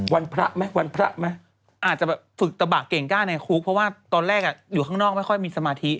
พระไหมวันพระไหมอาจจะแบบฝึกตะบะเก่งกล้าในคุกเพราะว่าตอนแรกอยู่ข้างนอกไม่ค่อยมีสมาธิ